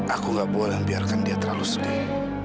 aku gak boleh membiarkan dia terlalu sedih